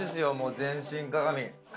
全身鏡。